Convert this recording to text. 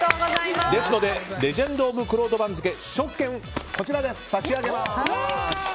ですのでレジェンド・オブ・くろうと番付試食券こちら、差し上げます。